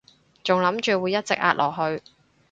仲諗住會一直壓落去